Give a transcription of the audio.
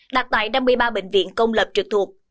đặt tại năm mươi ba bệnh viện công lập trực thuộc